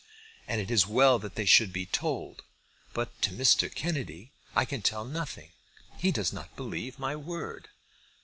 And it is well that they should be told. But to Mr. Kennedy I can tell nothing. He does not believe my word."